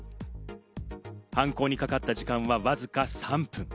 犯行にかかった時間はわずか３分。